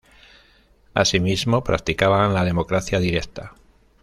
Asimismo, practicaban la democracia directa.